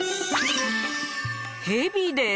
ヘビです。